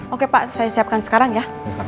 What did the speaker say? oke pak saya siapkan sekarang ya